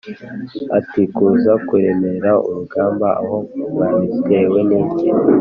ati “Kuza kuremera urugamba aho mwabitewe n’iki?